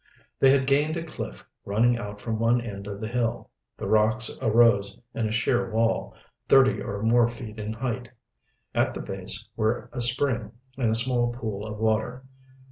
They had gained a cliff running out from one end of the hill. The rocks arose in a sheer wall, thirty or more feet in height. At the base were a spring and a small pool of water.